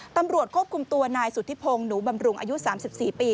ตำรวจควบคุมตัวนายสุธิพงศ์หนูบำรุงอายุ๓๔ปี